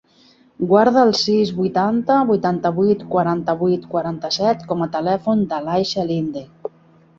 Guarda el sis, vuitanta, vuitanta-vuit, quaranta-vuit, quaranta-set com a telèfon de l'Aixa Linde.